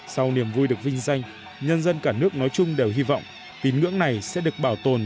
sau niềm vui được vinh danh nhân dân cả nước nói chung đều hy vọng tín ngưỡng này sẽ được bảo tồn